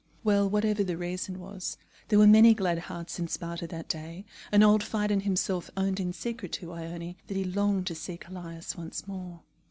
Well, whatever the reason was, there were many glad hearts in Sparta that day, and old Phidon himself owned in secret to Ione that he longed to see Callias once more.